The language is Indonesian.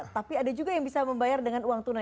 tapi ada juga yang bisa membayar dengan uang tunai